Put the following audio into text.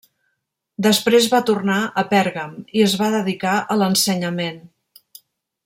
Després va tornar a Pèrgam i es va dedicar a l'ensenyament.